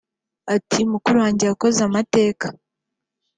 Ati “Mukuru wanjye yakoze amateka